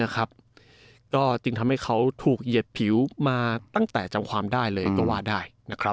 ก็จึงทำให้เขาถูกเหยียดผิวมาตั้งแต่จำความได้เลยก็ว่าได้